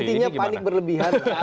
intinya panik berlebihan